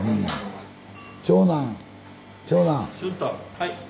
はい。